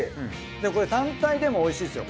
これ単体でもおいしいですよ